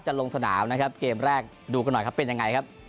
ลงสนามนะครับเกมแรกดูกันหน่อยครับเป็นยังไงครับ